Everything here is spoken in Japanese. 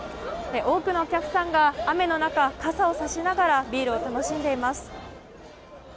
多くのお客さんが雨の中傘をさしながらビールを楽しんでいます。